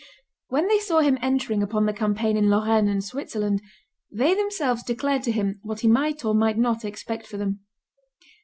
When they saw him entering upon the campaign in Lorraine and Switzerland, they themselves declared to him what he might or might not expect from them.